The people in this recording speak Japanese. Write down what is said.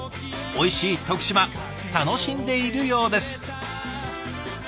おいしい徳島楽しんでいるようです。